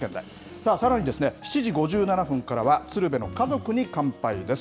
さあ、さらに７時５７分からは、鶴瓶の家族に乾杯です。